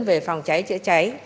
về phòng cháy chữa cháy